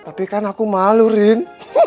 tapi kan aku malu rin